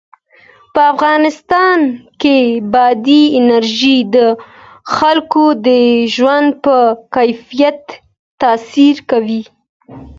په افغانستان کې بادي انرژي د خلکو د ژوند په کیفیت تاثیر کوي.